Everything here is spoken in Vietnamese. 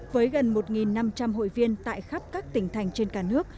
với gần một năm trăm linh hội viên tại khắp các tỉnh thành trên cả nước